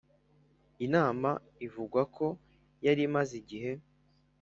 . Inama ivugwa ko yari imaze igihe